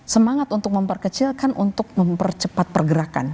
semangat untuk memperkecilkan untuk mempercepat pergerakan